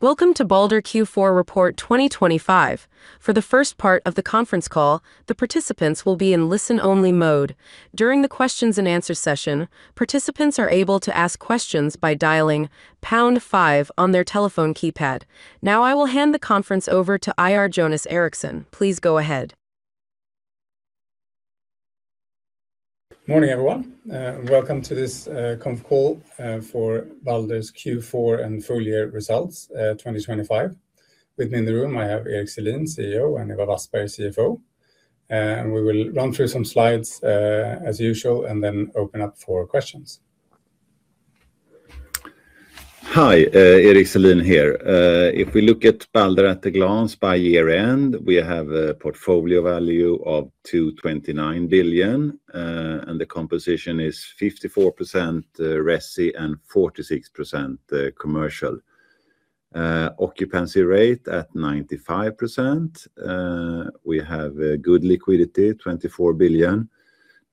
Welcome to Balder Q4 Report 2025. For the first part of the conference call, the participants will be in listen-only mode. During the questions-and-answers session, participants are able to ask questions by dialing pound 5 on their telephone keypad. Now I will hand the conference over to IR Jonas Eriksson. Please go ahead. Morning everyone, and welcome to this conference call for Balder's Q4 and full-year results 2025. With me in the room I have Erik Selin, CEO, and Ewa Wassberg, CFO. We will run through some slides as usual and then open up for questions. Hi, Erik Selin here. If we look at Balder at a glance by year-end, we have a portfolio value of 229 billion, and the composition is 54% resi and 46% commercial. Occupancy rate at 95%. We have good liquidity, 24 billion.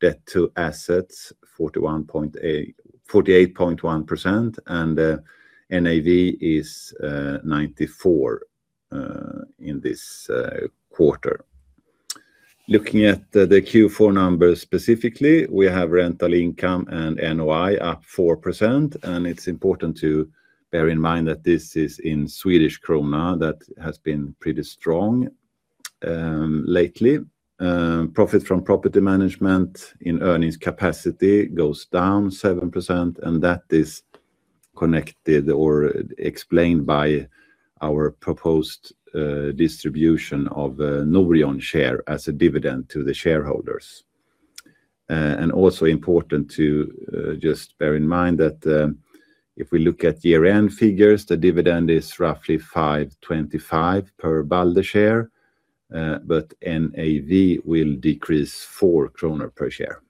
Debt-to-assets 41.8%, and NAV is 94% in this quarter. Looking at the Q4 numbers specifically, we have rental income and NOI up 4%, and it's important to bear in mind that this is in Swedish krona; that has been pretty strong lately. Profit from property management in earnings capacity goes down 7%, and that is connected or explained by our proposed distribution of Norion shares as a dividend to the shareholders. And also important to just bear in mind that if we look at year-end figures, the dividend is roughly 5.25 per Balder share, but NAV will decrease 4 kronor per share.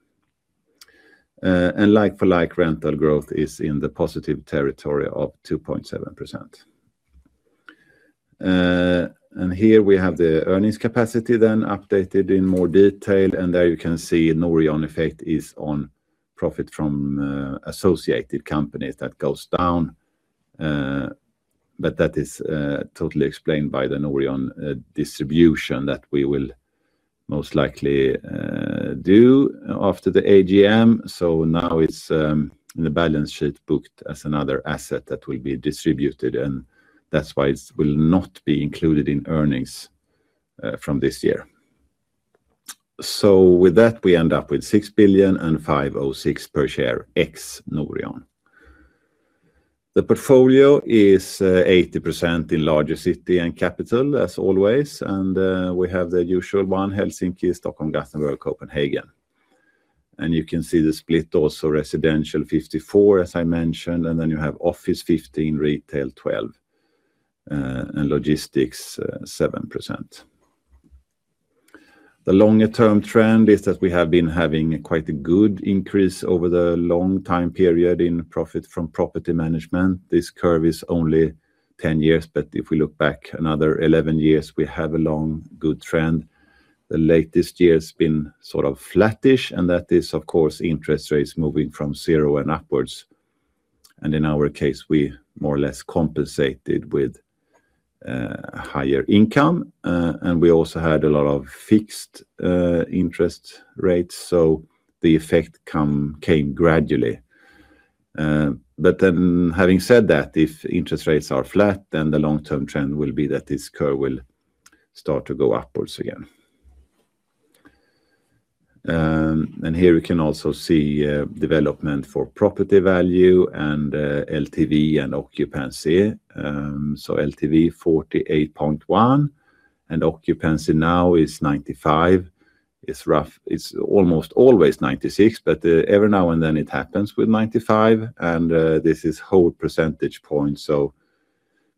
Like-for-like rental growth is in the positive territory of 2.7%. Here we have the earnings capacity then updated in more detail, and there you can see Norion effect is on profit from associated companies. That goes down, but that is totally explained by the Norion distribution that we will most likely do after the AGM. Now it's in the balance sheet booked as another asset that will be distributed, and that's why it will not be included in earnings from this year. With that, we end up with 6 billion and 5.06 per share ex Norion. The portfolio is 80% in larger cities and capitals, as always, and we have the usual ones: Helsinki, Stockholm, Gothenburg, Copenhagen. You can see the split also: residential 54%, as I mentioned, and then you have office 15%, retail 12%, and logistics 7%. The longer-term trend is that we have been having quite a good increase over the long time period in profit from property management. This curve is only 10 years, but if we look back another 11 years, we have a long good trend. The latest year has been sort of flattish, and that is, of course, interest rates moving from 0 and upwards. And in our case, we more or less compensated with higher income, and we also had a lot of fixed interest rates, so the effect came gradually. But then having said that, if interest rates are flat, then the long-term trend will be that this curve will start to go upwards again. And here we can also see development for property value and LTV and occupancy. So LTV 48.1%, and occupancy now is 95%. It's almost always 96%, but every now and then it happens with 95%, and this is whole percentage points. So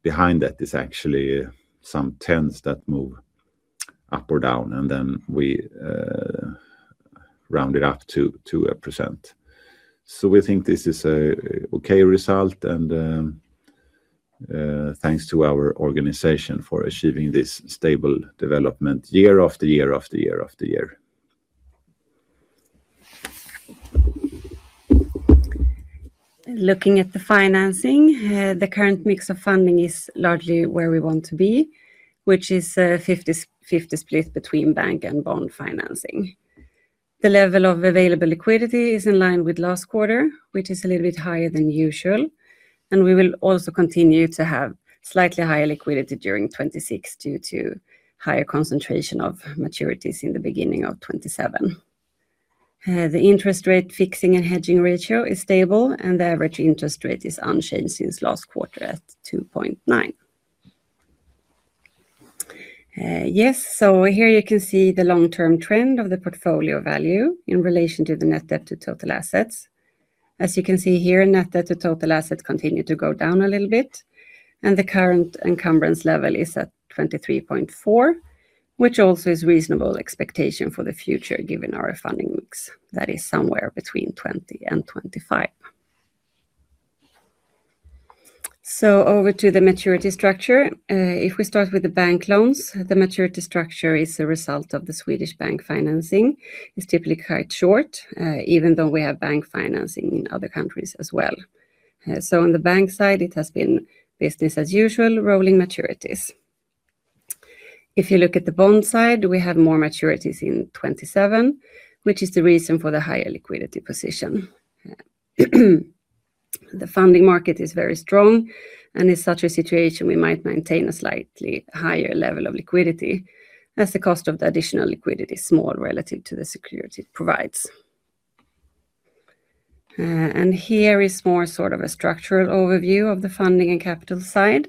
behind that is actually some tenths that move up or down, and then we round it up to a percent. So we think this is an okay result, and thanks to our organization for achieving this stable development year after year after year after year. Looking at the financing, the current mix of funding is largely where we want to be, which is a 50/50 split between bank and bond financing. The level of available liquidity is in line with last quarter, which is a little bit higher than usual, and we will also continue to have slightly higher liquidity during 2026 due to higher concentration of maturities in the beginning of 2027. The interest rate fixing and hedging ratio is stable, and the average interest rate is unchanged since last quarter at 2.9%. Yes, so here you can see the long-term trend of the portfolio value in relation to the net debt to total assets. As you can see here, net debt to total assets continue to go down a little bit, and the current encumbrance level is at 23.4%, which also is a reasonable expectation for the future given our funding mix that is somewhere between 20%-25%. So over to the maturity structure. If we start with the bank loans, the maturity structure is a result of the Swedish bank financing. It's typically quite short, even though we have bank financing in other countries as well. So on the bank side, it has been business as usual, rolling maturities. If you look at the bond side, we have more maturities in 2027, which is the reason for the higher liquidity position. The funding market is very strong, and in such a situation, we might maintain a slightly higher level of liquidity as the cost of the additional liquidity is small relative to the security it provides. Here is more sort of a structural overview of the funding and capital side.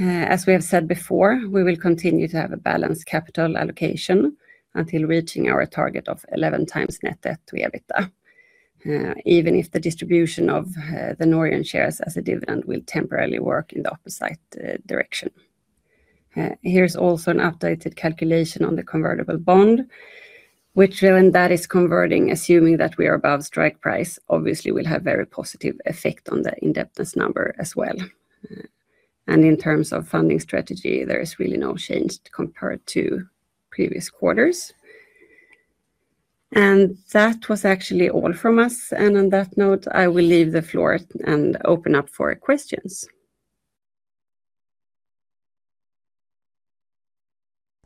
As we have said before, we will continue to have a balanced capital allocation until reaching our target of 11x Net Debt to EBITDA, even if the distribution of the Norion shares as a dividend will temporarily work in the opposite direction. Here's also an updated calculation on the Convertible bond, which when that is converting, assuming that we are above strike price, obviously will have a very positive effect on the indebtedness number as well. In terms of funding strategy, there is really no change compared to previous quarters. That was actually all from us, and on that note, I will leave the floor and open up for questions.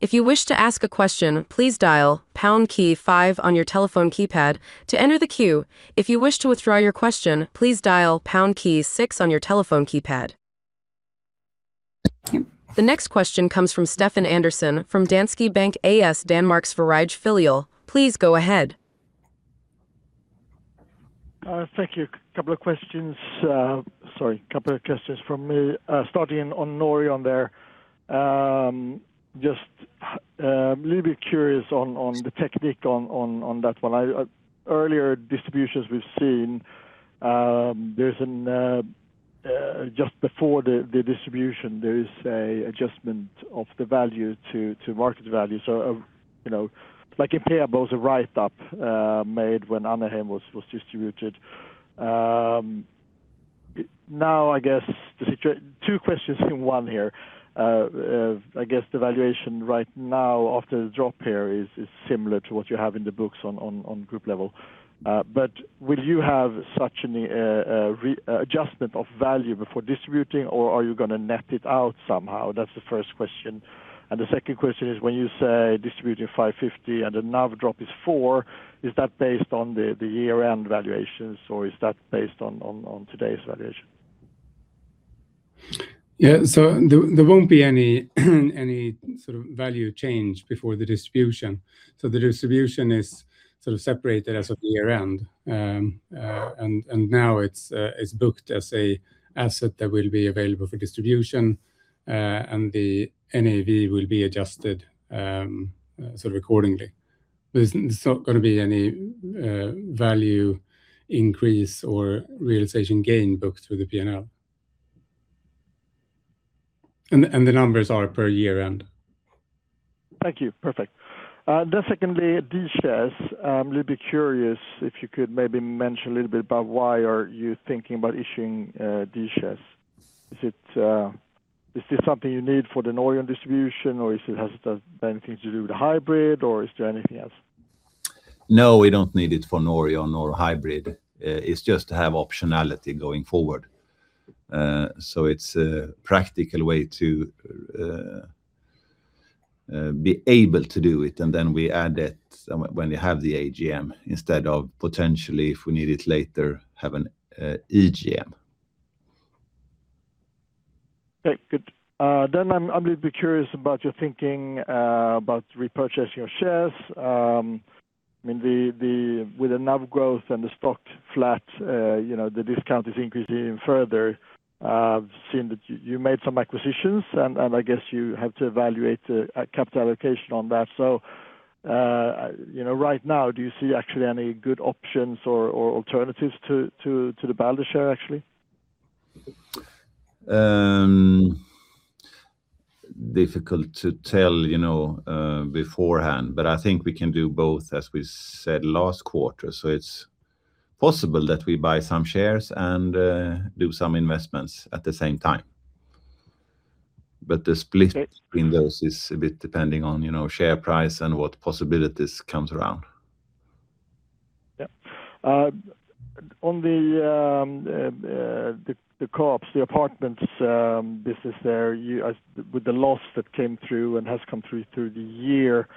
If you wish to ask a question, please dial "#5" on your telephone keypad to enter the queue. If you wish to withdraw your question, please dial "#6" on your telephone keypad. Thank you. The next question comes from Stefan Andersson from Danske Bank A/S, Danmark, Sverige Filial. Please go ahead. Thank you. A couple of questions, sorry, a couple of questions from me, starting on Norion there. Just a little bit curious on the mechanics on that one. Earlier distributions we've seen, there's an, just before the distribution, there is an adjustment of the value to market value. So like impairments are written up when Annehem was distributed. Now, I guess, the situation, two questions in one here. I guess the valuation right now after the drop here is similar to what you have in the books on group level. But will you have such an adjustment of value before distributing, or are you going to net it out somehow? That's the first question. And the second question is, when you say distributing 5.50 and the NAV drop is 4%, is that based on the year-end valuations, or is that based on today's valuation? Yeah, there won't be any sort of value change before the distribution. The distribution is sort of separated as of year-end, and now it's booked as an asset that will be available for distribution, and the NAV will be adjusted sort of accordingly. There's not going to be any value increase or realization gain booked through the P&L. The numbers are per year-end. Thank you. Perfect. Then secondly, D shares, I'm a little bit curious if you could maybe mention a little bit about why you're thinking about issuing D shares. Is this something you need for the Norion distribution, or has it anything to do with a hybrid, or is there anything else? No, we don't need it for Norion or hybrid. It's just to have optionality going forward. So it's a practical way to be able to do it, and then we add it when you have the AGM instead of, potentially, if we need it later, have an EGM. Okay, good. Then I'm a little bit curious about your thinking about repurchasing your shares. I mean, with the NAV growth and the stock flat, the discount is increasing further. I've seen that you made some acquisitions, and I guess you have to evaluate capital allocation on that. So right now, do you see actually any good options or alternatives to the Balder share, actually? Difficult to tell beforehand, but I think we can do both, as we said last quarter. It's possible that we buy some shares and do some investments at the same time. The split between those is a bit depending on share price and what possibilities come around. Yeah. On Copenhagen, the apartments business there, with the loss that came through and has come through the year,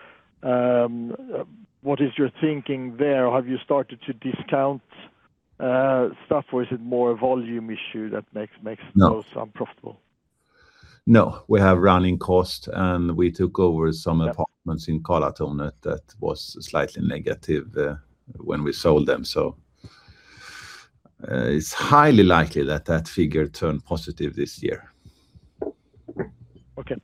what is your thinking there? Have you started to discount stuff, or is it more a volume issue that makes those unprofitable? No. No, we have running costs, and we took over some apartments in Karlatornet that was slightly negative when we sold them. So it's highly likely that that figure turned positive this year. Okay,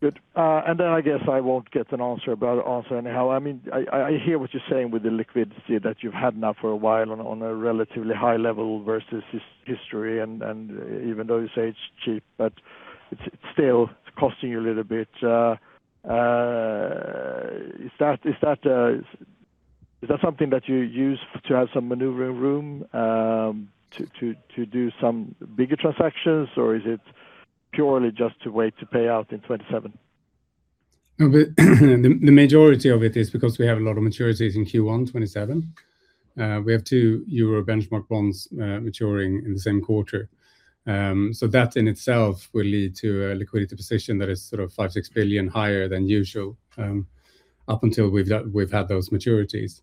good. And then I guess I won't get an answer about the answer anyhow. I mean, I hear what you're saying with the liquidity that you've had now for a while on a relatively high level versus history, and even though you say it's cheap, but it's still costing you a little bit. Is that something that you use to have some maneuvering room to do some bigger transactions, or is it purely just to wait to pay out in 2027? The majority of it is because we have a lot of maturities in Q1 2027. We have 2 euro benchmark bonds maturing in the same quarter. So that in itself will lead to a liquidity position that is sort of 5 billion-6 billion higher than usual up until we've had those maturities.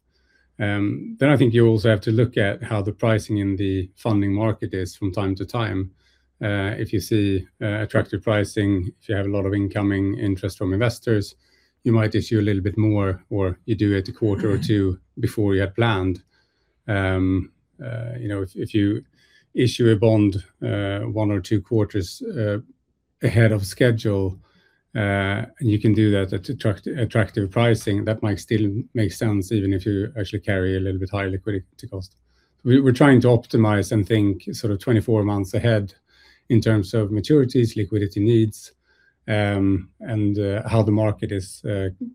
Then I think you also have to look at how the pricing in the funding market is from time to time. If you see attractive pricing, if you have a lot of incoming interest from investors, you might issue a little bit more, or you do it a quarter or two before you had planned. If you issue a bond one or two quarters ahead of schedule, and you can do that at attractive pricing, that might still make sense even if you actually carry a little bit higher liquidity cost. We're trying to optimize and think sort of 24 months ahead in terms of maturities, liquidity needs, and how the market is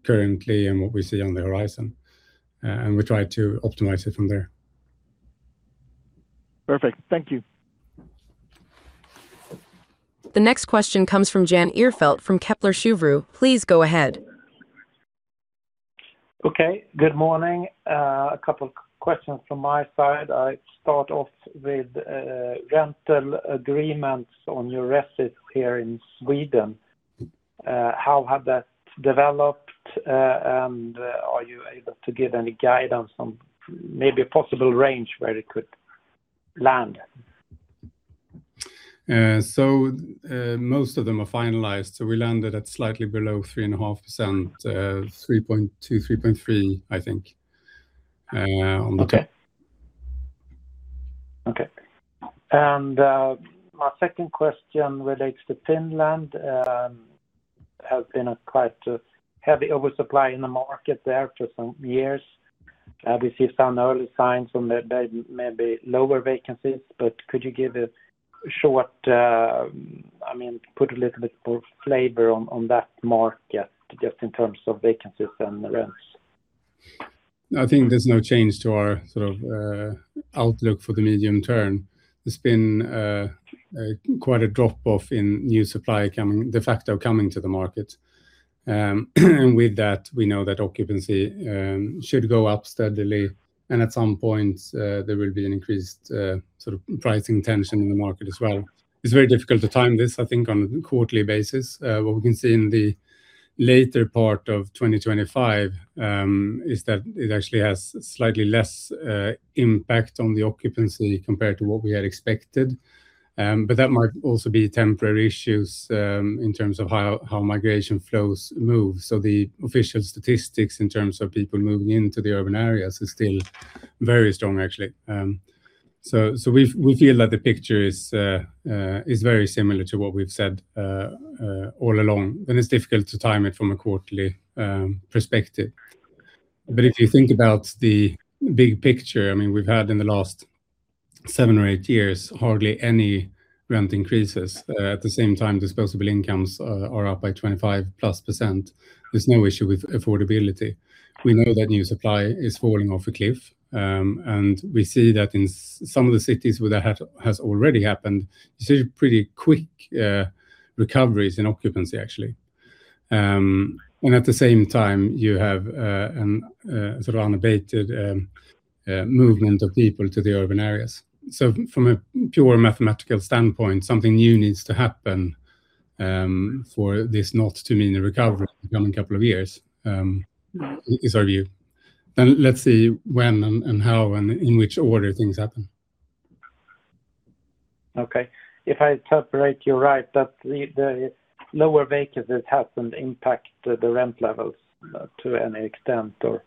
currently and what we see on the horizon. We try to optimize it from there. Perfect. Thank you. The next question comes from Jan Ihrfelt from Kepler Cheuvreux. Please go ahead. Okay, good morning. A couple of questions from my side. I start off with rental agreements on your resi here in Sweden. How have that developed, and are you able to give any guidance on maybe a possible range where it could land? Most of them are finalized. We landed at slightly below 3.5%, 3.2%, 3.3%, I think, on the. Okay. Okay. And my second question relates to Finland. There has been quite a heavy oversupply in the market there for some years. We see some early signs on maybe lower vacancies, but could you give a short, I mean, put a little bit more flavor on that market just in terms of vacancies and rents? I think there's no change to our sort of outlook for the medium term. There's been quite a drop-off in new supply de facto coming to the market. And with that, we know that occupancy should go up steadily, and at some point, there will be an increased sort of pricing tension in the market as well. It's very difficult to time this, I think, on a quarterly basis. What we can see in the later part of 2025 is that it actually has slightly less impact on the occupancy compared to what we had expected. But that might also be temporary issues in terms of how migration flows move. So the official statistics in terms of people moving into the urban areas are still very strong, actually. So we feel that the picture is very similar to what we've said all along. Then it's difficult to time it from a quarterly perspective. But if you think about the big picture, I mean, we've had in the last 7 or 8 years hardly any rent increases. At the same time, disposable incomes are up by 25%+. There's no issue with affordability. We know that new supply is falling off a cliff, and we see that in some of the cities where that has already happened, you see pretty quick recoveries in occupancy, actually. And at the same time, you have a sort of unabated movement of people to the urban areas. So from a pure mathematical standpoint, something new needs to happen for this not too meaningful recovery in the coming couple of years, is our view. Then let's see when and how and in which order things happen. Okay. If I interpret you right, that the lower vacancies happened impact the rent levels to any extent, or?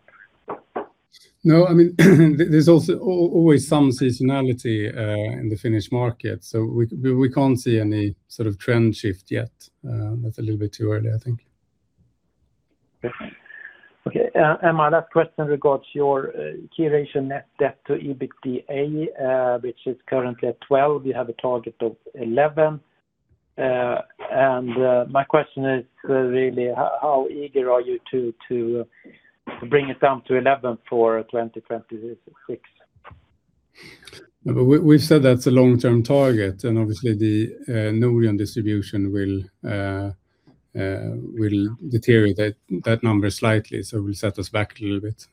No, I mean, there's also always some seasonality in the Finnish market, so we can't see any sort of trend shift yet. That's a little bit too early, I think. Okay. Okay. And my last question regards your key ratio net debt to EBITDA, which is currently at 12. You have a target of 11. And my question is really, how eager are you to bring it down to 11 for 2026? We've said that's a long-term target, and obviously, the Norion distribution will deteriorate that number slightly, so it will set us back a little bit.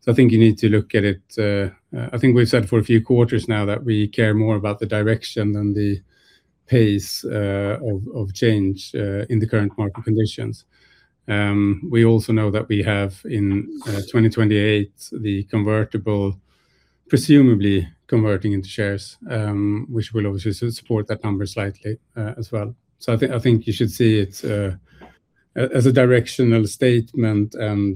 So I think you need to look at it, I think we've said for a few quarters now that we care more about the direction than the pace of change in the current market conditions. We also know that we have in 2028 the convertible presumably converting into shares, which will obviously support that number slightly as well. So I think you should see it as a directional statement in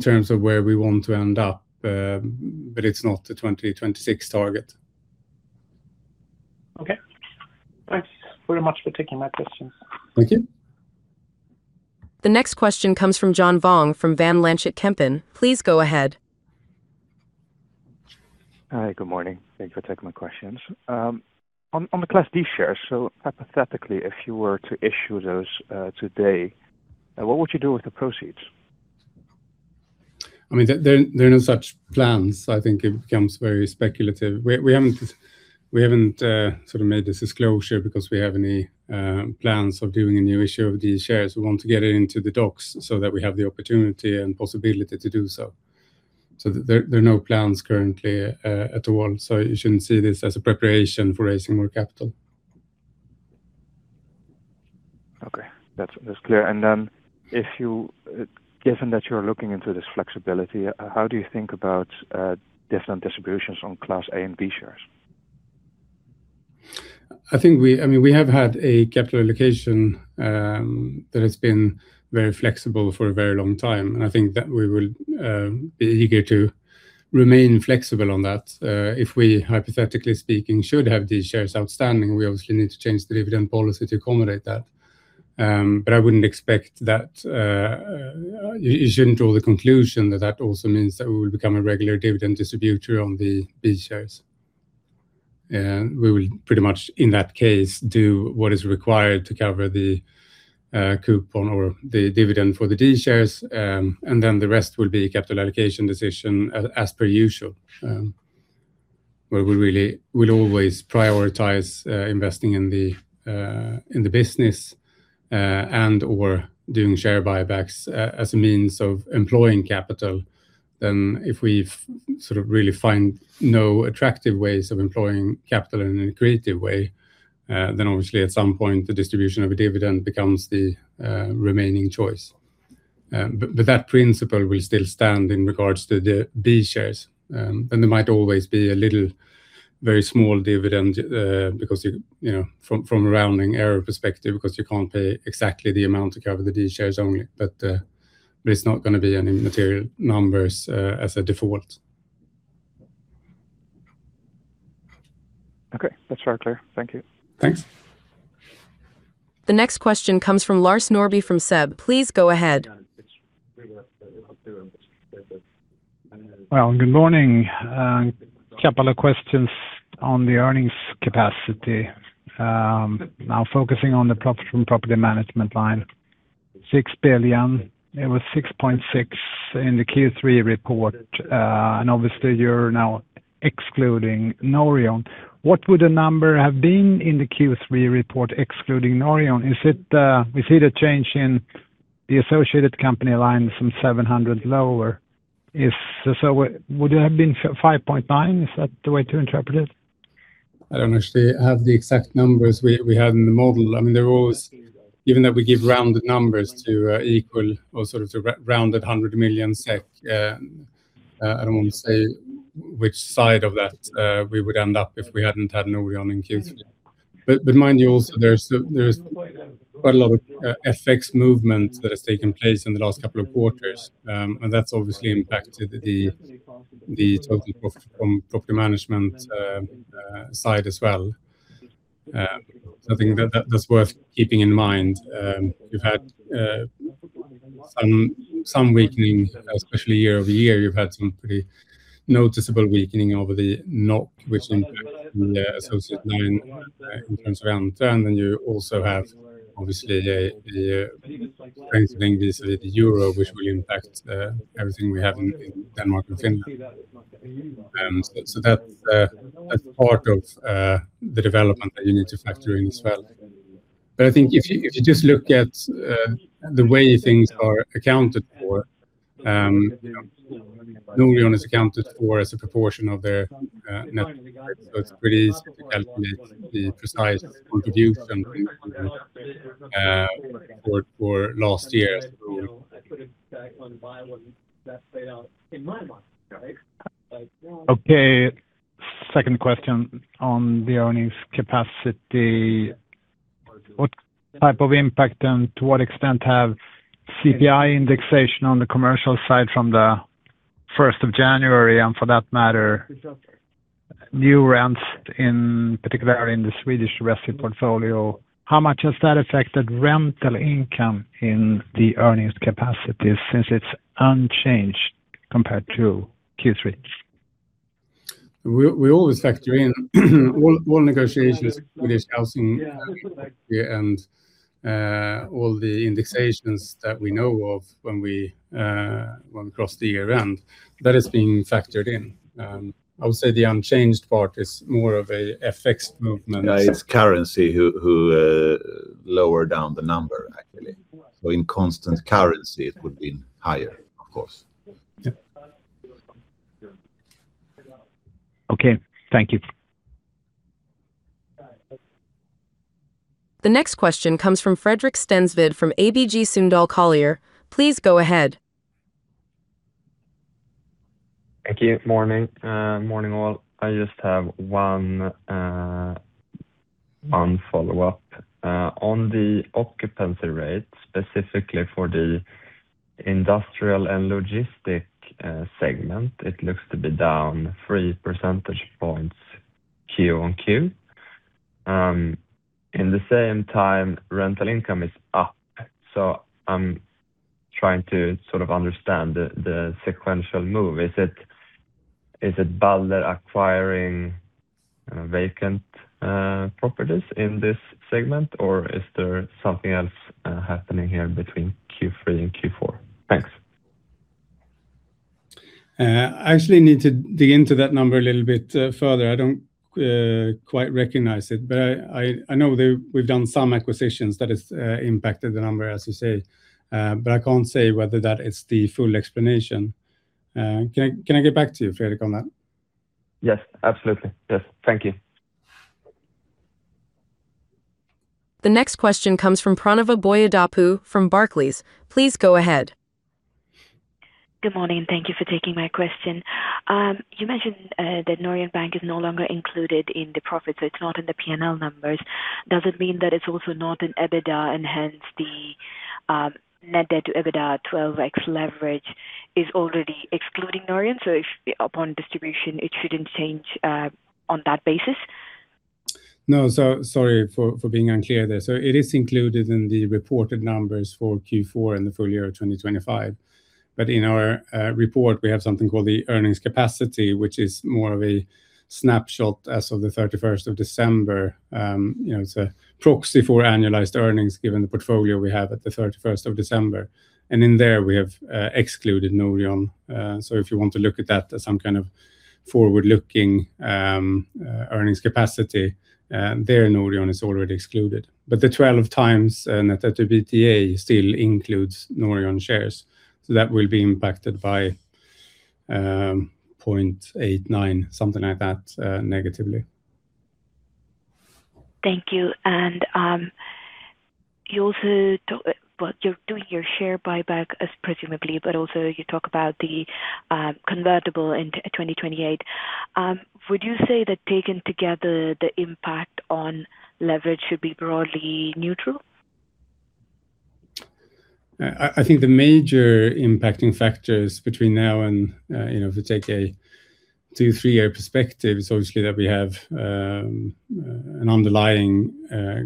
terms of where we want to end up, but it's not the 2026 target. Okay. Thanks very much for taking my questions. Thank you. The next question comes from John Vuong from Van Lanschot Kempen. Please go ahead. Hi, good morning. Thank you for taking my questions. On the Class D shares, so hypothetically, if you were to issue those today, what would you do with the proceeds? I mean, there are no such plans. I think it becomes very speculative. We haven't sort of made this disclosure because we have any plans of doing a new issue of these shares. We want to get it into the docs so that we have the opportunity and possibility to do so. So there are no plans currently at all, so you shouldn't see this as a preparation for raising more capital. Okay. That's clear. And then given that you're looking into this flexibility, how do you think about different distributions on class A and B shares? I mean, we have had a capital allocation that has been very flexible for a very long time, and I think that we will be eager to remain flexible on that. If we, hypothetically speaking, should have these shares outstanding, we obviously need to change the dividend policy to accommodate that. But I wouldn't expect that—you shouldn't draw the conclusion that that also means that we will become a regular dividend distributor on the B shares. We will pretty much, in that case, do what is required to cover the coupon or the dividend for the D shares, and then the rest will be a capital allocation decision as per usual, where we'll always prioritize investing in the business and/or doing share buybacks as a means of employing capital. Then if we sort of really find no attractive ways of employing capital in a creative way, then obviously, at some point, the distribution of a dividend becomes the remaining choice. But that principle will still stand in regards to the B shares. Then there might always be a little, very small dividend from a rounding error perspective because you can't pay exactly the amount to cover the D shares only, but it's not going to be any material numbers as a default. Okay. That's very clear. Thank you. Thanks. The next question comes from Lars Norrby from SEB. Please go ahead. Well, good morning. A couple of questions on the earnings capacity, now focusing on the property management line. 6 billion. It was 6.6 billion in the Q3 report, and obviously, you're now excluding Norion. What would the number have been in the Q3 report excluding Norion? We see the change in the associated company line from 700 million lower. Would it have been 5.9 billion? Is that the way to interpret it? I don't actually have the exact numbers we had in the model. I mean, there were always, given that we give rounded numbers to equal or sort of to rounded 100 million SEK, I don't want to say which side of that we would end up if we hadn't had Norion in Q3. But mind you also, there's quite a lot of FX movement that has taken place in the last couple of quarters, and that's obviously impacted the total profit from property management side as well. So I think that's worth keeping in mind. You've had some weakening, especially year-over-year. You've had some pretty noticeable weakening over the NOK, which impacts the associate line in terms of NOI, and then you also have, obviously, the strengthening vis-à-vis the euro, which will impact everything we have in Denmark and Finland. That's part of the development that you need to factor in as well. But I think if you just look at the way things are accounted for, Norion is accounted for as a proportion of their net, so it's pretty easy to calculate the precise contribution for last year as a rule. Okay. Second question on the earnings capacity. What type of impact and to what extent have CPI indexation on the commercial side from the 1st of January and, for that matter, new rents, in particular in the Swedish resi portfolio? How much has that affected rental income in the earnings capacity since it's unchanged compared to Q3? We always factor in all negotiations with the housing industry and all the indexations that we know of when we cross the year-end. That has been factored in. I would say the unchanged part is more of a FX movement. It's currency who lower down the number, actually. So in constant currency, it would be higher, of course. Okay. Thank you. The next question comes from Fredrik Stensved from ABG Sundal Collier. Please go ahead. Thank you. Morning. Morning all. I just have one follow-up. On the occupancy rate, specifically for the industrial and logistic segment, it looks to be down 3 percentage points Q-on-Q. In the same time, rental income is up. So I'm trying to sort of understand the sequential move. Is it Balder acquiring vacant properties in this segment, or is there something else happening here between Q3 and Q4? Thanks. I actually need to dig into that number a little bit further. I don't quite recognize it, but I know we've done some acquisitions that have impacted the number, as you say, but I can't say whether that is the full explanation. Can I get back to you, Fredrik, on that? Yes. Absolutely. Yes. Thank you. The next question comes from Pranava Boyadapu from Barclays. Please go ahead. Good morning. Thank you for taking my question. You mentioned that Norion Bank is no longer included in the profit, so it's not in the P&L numbers. Does it mean that it's also not in EBITDA, and hence the net debt to EBITDA 12x leverage is already excluding Norion, so upon distribution, it shouldn't change on that basis? No. So sorry for being unclear there. So it is included in the reported numbers for Q4 and the full year of 2025. But in our report, we have something called the earnings capacity, which is more of a snapshot as of the 31st of December. It's a proxy for annualized earnings given the portfolio we have at the 31st of December. And in there, we have excluded Norion. So if you want to look at that as some kind of forward-looking earnings capacity, there, Norion is already excluded. But the 12x net debt to EBITDA still includes Norion shares, so that will be impacted by 0.89, something like that, negatively. Thank you. And you're doing your share buyback, presumably, but also you talk about the convertible in 2028. Would you say that taken together, the impact on leverage should be broadly neutral? I think the major impacting factors between now and, if we take a 2-3-year perspective, it's obviously that we have an underlying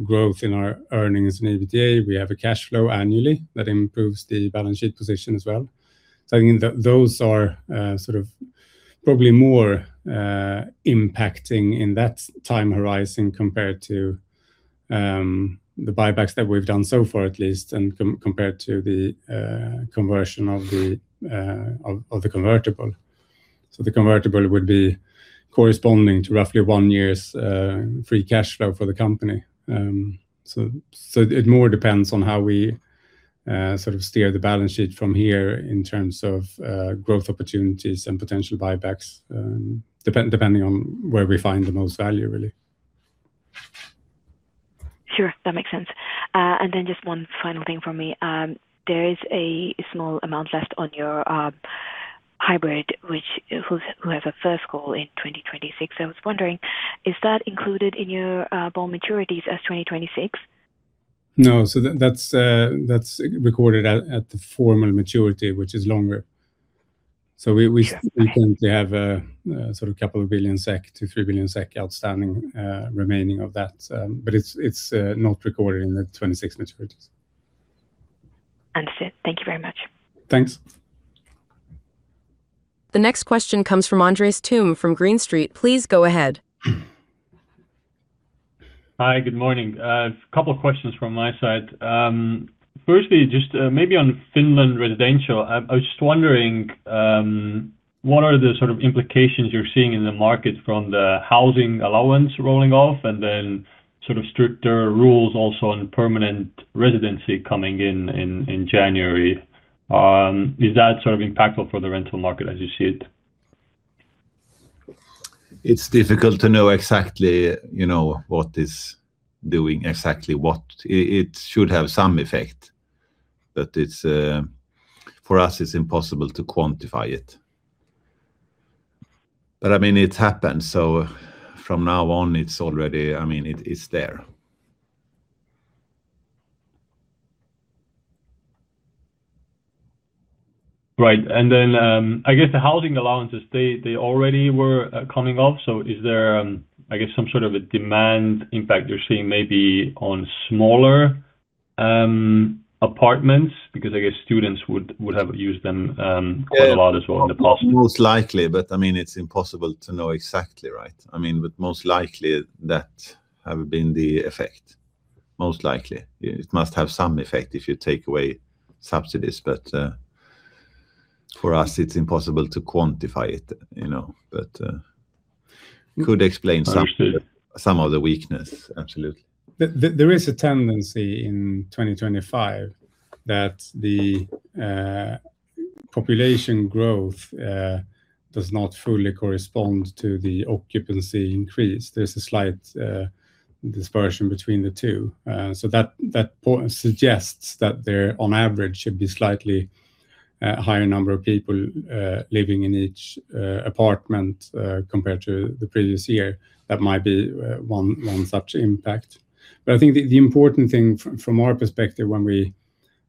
growth in our earnings in EBITDA. We have a cash flow annually that improves the balance sheet position as well. So I think those are sort of probably more impacting in that time horizon compared to the buybacks that we've done so far, at least, and compared to the conversion of the convertible. So the convertible would be corresponding to roughly one year's free cash flow for the company. So it more depends on how we sort of steer the balance sheet from here in terms of growth opportunities and potential buybacks, depending on where we find the most value, really. Sure. That makes sense. And then just one final thing from me. There is a small amount left on your hybrid, who has a first call in 2026. So I was wondering, is that included in your bond maturities as 2026? No. So that's recorded at the formal maturity, which is longer. We currently have sort of 2 billion-3 billion SEK outstanding remaining of that, but it's not recorded in the 2026 maturities. Understood. Thank you very much. Thanks. The next question comes from Andreas Trum from Green Street. Please go ahead. Hi. Good morning. A couple of questions from my side. Firstly, just maybe on Finland residential, I was just wondering, what are the sort of implications you're seeing in the market from the housing allowance rolling off and then sort of stricter rules also on permanent residency coming in January? Is that sort of impactful for the rental market as you see it? It's difficult to know exactly what it's doing, exactly what. It should have some effect, but for us, it's impossible to quantify it. But I mean, it happens. So from now on, it's already, I mean, it's there. Right. And then I guess the housing allowances, they already were coming off. So is there, I guess, some sort of a demand impact you're seeing maybe on smaller apartments because I guess students would have used them quite a lot as well in the past? Most likely, but I mean, it's impossible to know exactly, right? I mean, but most likely, that have been the effect. Most likely. It must have some effect if you take away subsidies, but for us, it's impossible to quantify it, but could explain some of the weakness, absolutely. There is a tendency in 2025 that the population growth does not fully correspond to the occupancy increase. There's a slight dispersion between the two. So that suggests that there, on average, should be a slightly higher number of people living in each apartment compared to the previous year. That might be one such impact. But I think the important thing from our perspective when we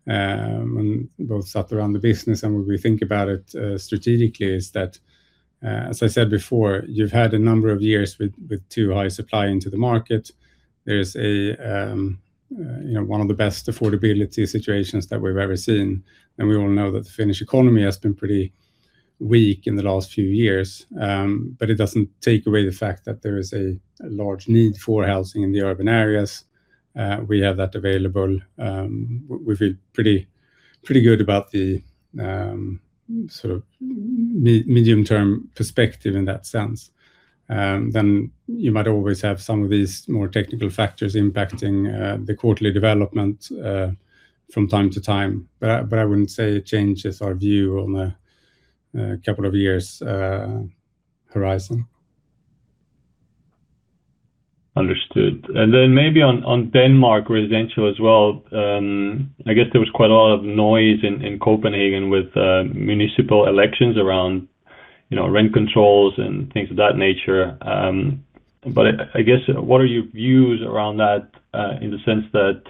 both sat around the business and when we think about it strategically is that, as I said before, you've had a number of years with too high supply into the market. There's one of the best affordability situations that we've ever seen, and we all know that the Finnish economy has been pretty weak in the last few years. But it doesn't take away the fact that there is a large need for housing in the urban areas. We have that available. We feel pretty good about the sort of medium-term perspective in that sense. Then you might always have some of these more technical factors impacting the quarterly development from time to time, but I wouldn't say it changes our view on a couple of years horizon. Understood. And then maybe on Denmark residential as well, I guess there was quite a lot of noise in Copenhagen with municipal elections around rent controls and things of that nature. But I guess, what are your views around that in the sense that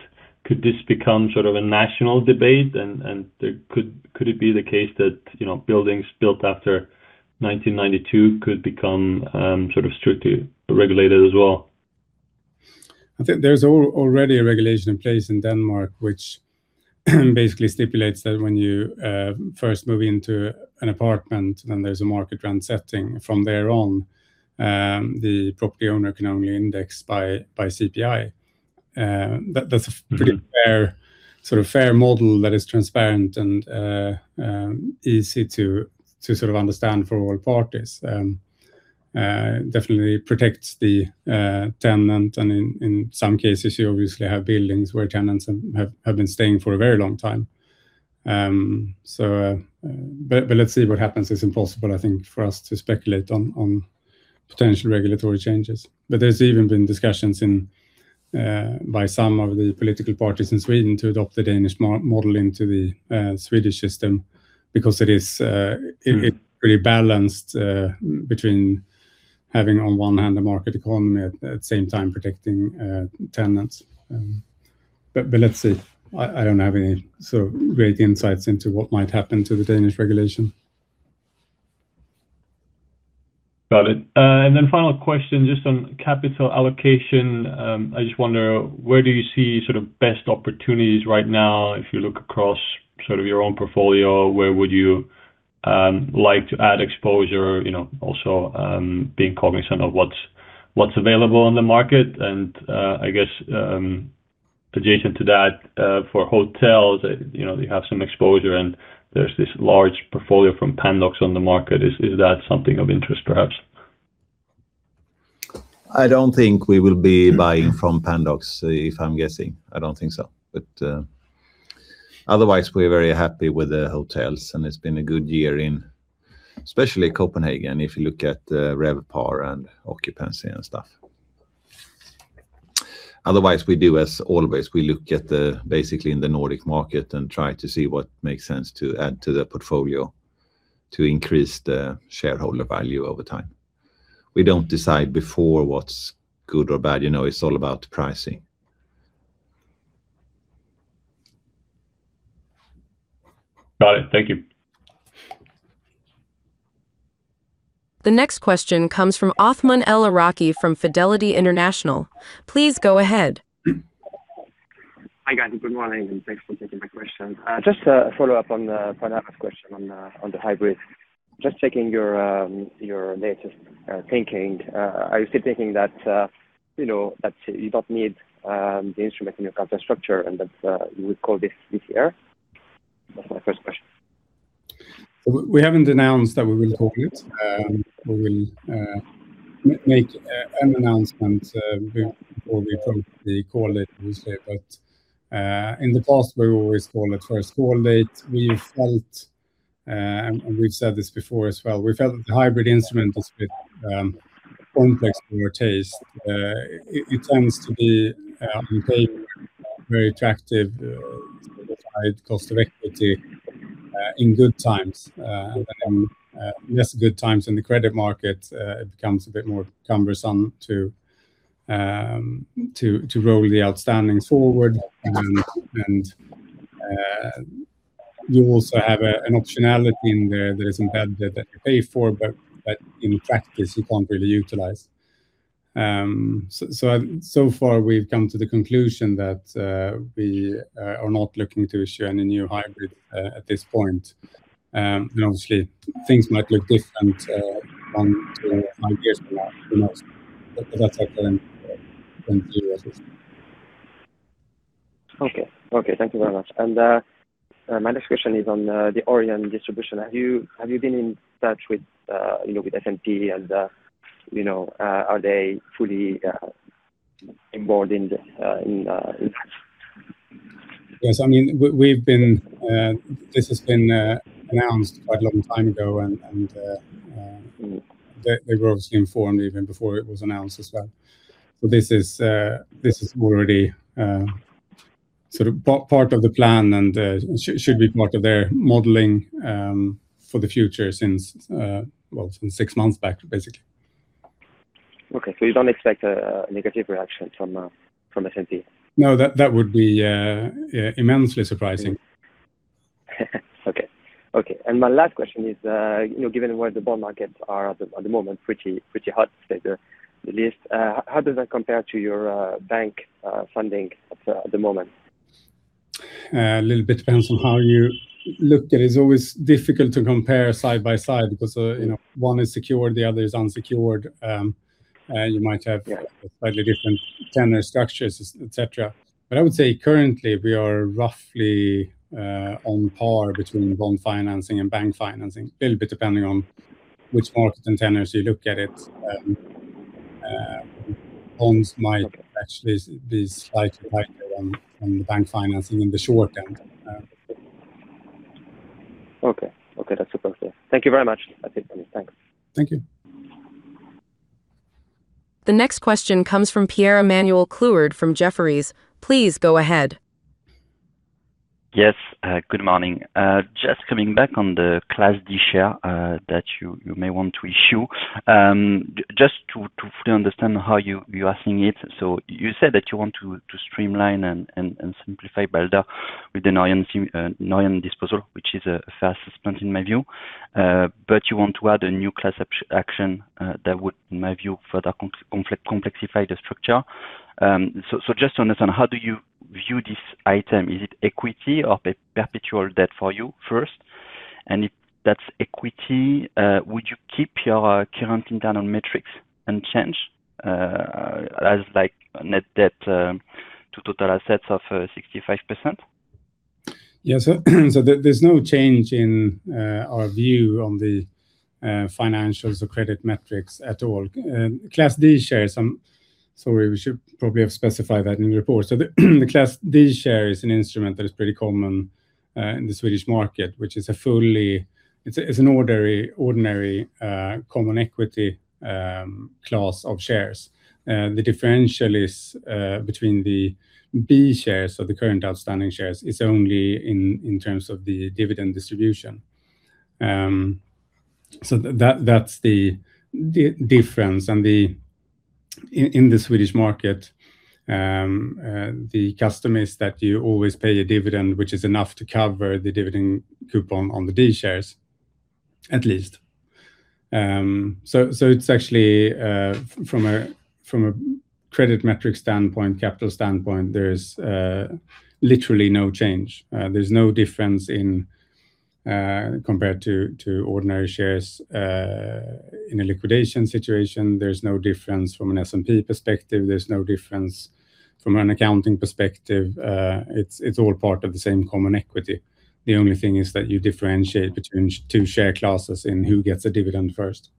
could this become sort of a national debate, and could it be the case that buildings built after 1992 could become sort of strictly regulated as well? I think there's already a regulation in place in Denmark, which basically stipulates that when you first move into an apartment, then there's a market rent setting. From there on, the property owner can only index by CPI. That's a pretty fair sort of fair model that is transparent and easy to sort of understand for all parties. Definitely protects the tenant, and in some cases, you obviously have buildings where tenants have been staying for a very long time. But let's see what happens. It's impossible, I think, for us to speculate on potential regulatory changes. But there's even been discussions by some of the political parties in Sweden to adopt the Danish model into the Swedish system because it's pretty balanced between having, on one hand, a market economy, at the same time protecting tenants. But let's see. I don't have any sort of great insights into what might happen to the Danish regulation. Got it. And then final question just on capital allocation. I just wonder, where do you see sort of best opportunities right now? If you look across sort of your own portfolio, where would you like to add exposure, also being cognizant of what's available in the market? And I guess adjacent to that, for hotels, you have some exposure, and there's this large portfolio from Pandox on the market. Is that something of interest, perhaps? I don't think we will be buying from Pandox, if I'm guessing. I don't think so. But otherwise, we're very happy with the hotels, and it's been a good year in especially Copenhagen, if you look at RevPAR and occupancy and stuff. Otherwise, we do, as always, we look at basically in the Nordic market and try to see what makes sense to add to the portfolio to increase the shareholder value over time. We don't decide before what's good or bad. It's all about pricing. Got it. Thank you. The next question comes from Othman El Iraki from Fidelity International. Please go ahead. Hi guys. Good morning, and thanks for taking my question. Just a follow-up on Pranava's question on the hybrid. Just checking your latest thinking. Are you still thinking that you don't need the instrument in your capital structure and that you would call this EGM? That's my first question. We haven't announced that we will call it. We will make an announcement before we approach the call date, obviously. But in the past, we've always called it first call date. We've felt, and we've said this before as well, we felt that the hybrid instrument is a bit complex to our taste. It tends to be on paper very attractive, certain cost of equity in good times. And then in less good times in the credit market, it becomes a bit more cumbersome to roll the outstandings forward. And you also have an optionality in there that is embedded that you pay for, but in practice, you can't really utilize. So far, we've come to the conclusion that we are not looking to issue any new hybrid at this point. And obviously, things might look different one, two, or five years from now. Who knows? But that's our current point of view, obviously. Okay. Okay. Thank you very much. My next question is on the Norion distribution. Have you been in touch with S&P, and are they fully involved in that? Yes. I mean, this has been announced quite a long time ago, and they were obviously informed even before it was announced as well. So this is already sort of part of the plan and should be part of their modeling for the future, well, since six months back, basically. Okay. So you don't expect a negative reaction from S&P? No. That would be immensely surprising. Okay. Okay. My last question is, given where the bond markets are at the moment, pretty hot to say the least, how does that compare to your bank funding at the moment? A little bit depends on how you look at it. It's always difficult to compare side by side because one is secured, the other is unsecured. You might have slightly different tenor structures, etc. But I would say currently, we are roughly on par between bond financing and bank financing, a little bit depending on which market and tenors you look at it. Bonds might actually be slightly tighter than the bank financing in the short end. Okay. Okay. That's all. Thank you very much. That's it from me. Thanks. Thank you. The next question comes from Pierre-Emmanuel Clouard from Jefferies. Please go ahead. Yes. Good morning. Just coming back on the Class D share that you may want to issue. Just to fully understand how you're asking it, so you said that you want to streamline and simplify Balder with a Norion disposal, which is a fair assumption in my view. But you want to add a new class of shares that would, in my view, further complexify the structure. So just to understand, how do you view this item? Is it equity or perpetual debt for you first? And if that's equity, would you keep your current internal metrics unchanged as net debt to total assets of 65%? Yes. So there's no change in our view on the financials or credit metrics at all. Class D shares - sorry, we should probably have specified that in the report. So the Class D share is an instrument that is pretty common in the Swedish market, which is an ordinary common equity class of shares. The differential between the B shares, so the current outstanding shares, is only in terms of the dividend distribution. So that's the difference. And in the Swedish market, the custom is that you always pay a dividend which is enough to cover the dividend coupon on the D shares, at least. So it's actually, from a credit metric standpoint, capital standpoint, there's literally no change. There's no difference compared to ordinary shares in a liquidation situation. There's no difference from an S&P perspective. There's no difference from an accounting perspective. It's all part of the same common equity. The only thing is that you differentiate between two share classes in who gets a dividend first.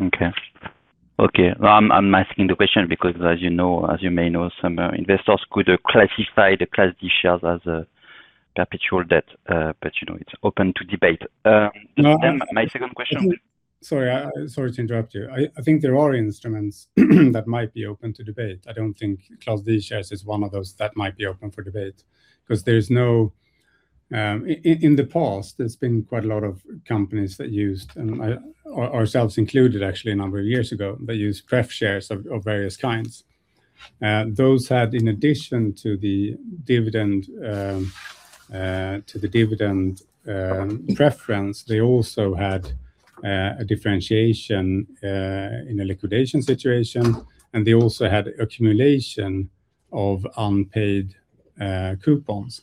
Okay. Okay. I'm asking the question because, as you may know, some investors could classify the Class D shares as perpetual debt, but it's open to debate. My second question? Sorry to interrupt you. I think there are instruments that might be open to debate. I don't think Class D shares is one of those that might be open for debate because there's no, in the past, there's been quite a lot of companies that used, and ourselves included, actually, a number of years ago, that used pref shares of various kinds. Those had, in addition to the dividend preference, they also had a differentiation in a liquidation situation, and they also had accumulation of unpaid coupons.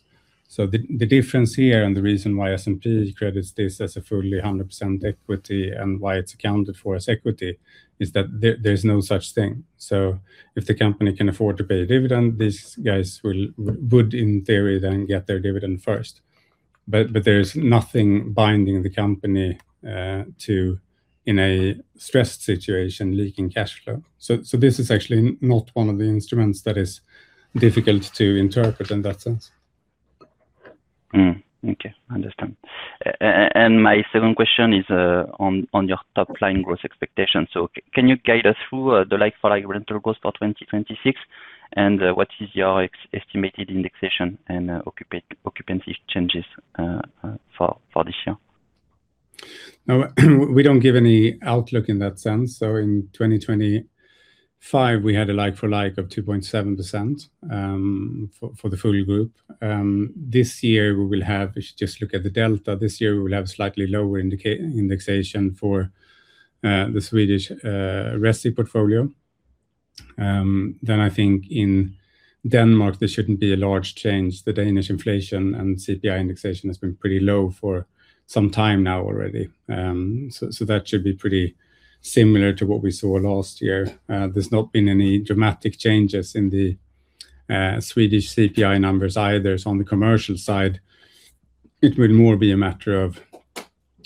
So the difference here and the reason why S&P credits this as a fully 100% equity and why it's accounted for as equity is that there's no such thing. So if the company can afford to pay a dividend, these guys would, in theory, then get their dividend first. But there's nothing binding the company to, in a stressed situation, leaking cash flow. This is actually not one of the instruments that is difficult to interpret in that sense. Okay. Understand. And my second question is on your top-line growth expectations. So can you guide us through the like-for-like rental growth for 2026, and what is your estimated indexation and occupancy changes for this year? Now, we don't give any outlook in that sense. So in 2025, we had a like-for-like of 2.7% for the full group. This year, we will have—if you just look at the delta—this year, we will have a slightly lower indexation for the Swedish resi portfolio. Then I think in Denmark, there shouldn't be a large change. The Danish inflation and CPI indexation have been pretty low for some time now already. So that should be pretty similar to what we saw last year. There's not been any dramatic changes in the Swedish CPI numbers either. So on the commercial side, it will more be a matter of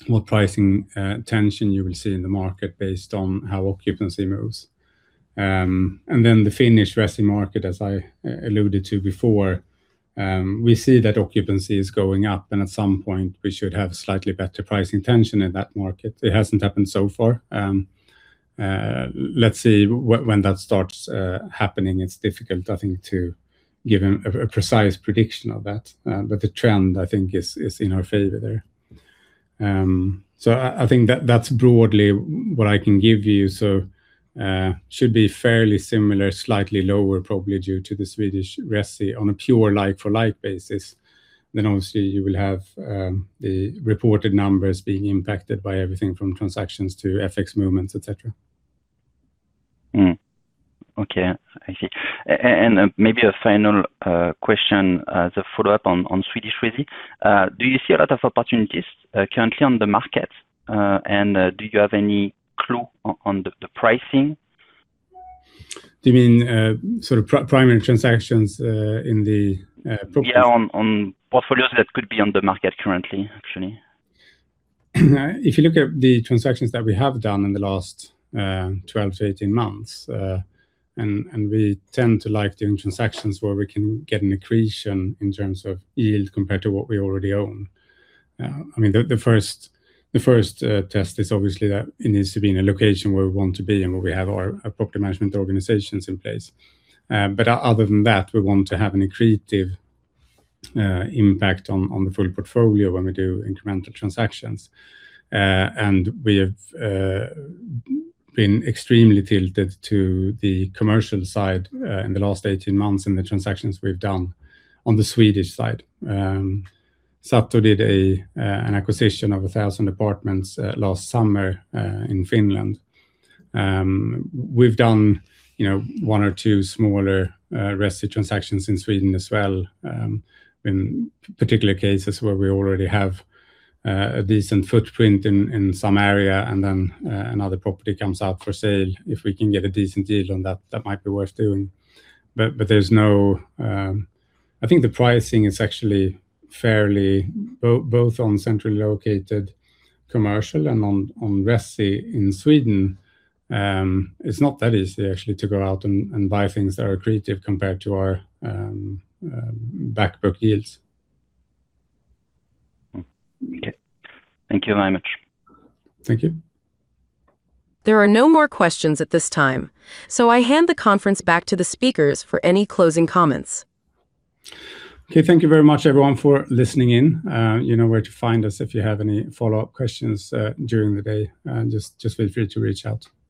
what pricing tension you will see in the market based on how occupancy moves. And then the Finnish residential market, as I alluded to before, we see that occupancy is going up, and at some point, we should have slightly better pricing tension in that market. It hasn't happened so far. Let's see. When that starts happening, it's difficult, I think, to give a precise prediction of that. But the trend, I think, is in our favor there. So I think that's broadly what I can give you. So it should be fairly similar, slightly lower, probably due to the Swedish residential on a pure like-for-like basis. Then obviously, you will have the reported numbers being impacted by everything from transactions to FX movements, etc. Okay. I see. And maybe a final question, as a follow-up on Swedish resi. Do you see a lot of opportunities currently on the market, and do you have any clue on the pricing? Do you mean sort of primary transactions in the? Yeah. On portfolios that could be on the market currently, actually. If you look at the transactions that we have done in the last 12-18 months, and we tend to like doing transactions where we can get an accretion in terms of yield compared to what we already own. I mean, the first test is obviously that it needs to be in a location where we want to be and where we have our property management organizations in place. But other than that, we want to have an accretive impact on the full portfolio when we do incremental transactions. And we have been extremely tilted to the commercial side in the last 18 months in the transactions we've done on the Swedish side. Sato did an acquisition of 1,000 apartments last summer in Finland. We've done one or two smaller resi transactions in Sweden as well in particular cases where we already have a decent footprint in some area, and then another property comes out for sale. If we can get a decent yield on that, that might be worth doing. But there's no. I think the pricing is actually fairly both on centrally located commercial and on resi in Sweden. It's not that easy, actually, to go out and buy things that are accretive compared to our back-book yields. Okay. Thank you very much. Thank you. There are no more questions at this time, so I hand the conference back to the speakers for any closing comments. Okay. Thank you very much, everyone, for listening in. You know where to find us if you have any follow-up questions during the day. Just feel free to reach out. Thank you.